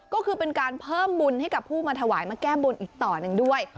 ก็คือเป็นการเพิ่มบุญให้กับผู้มาถวายมาแก้บนอีกต่อหนึ่งด้วย